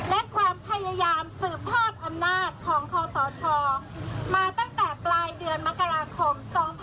และความพยายามสืบทอดอำนาจของคอสชมาตั้งแต่ปลายเดือนมกราคม๒๕๖๒